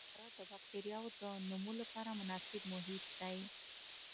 تیاره د بکټریاوو د نمو لپاره مناسب محیط دی.